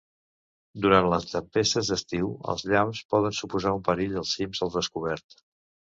Durant les tempestes d'estiu, els llamps poden suposar un perill als cims al descobert.